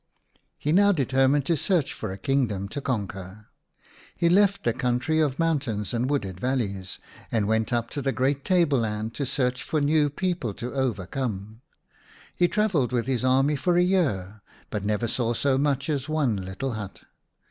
He now determined to search for a kingdom to conquer. He left the country of mountains and wooded valleys, and went up to the great tableland to search for new people to overcome. He travelled with his army for a year, but never saw so much as one little hut.